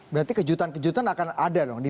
berarti kejutan kejutan akan ada loh di pilpres kali ini